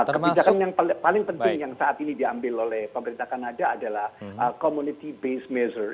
kebijakan yang paling penting yang saat ini diambil oleh pemerintah kanada adalah community based measure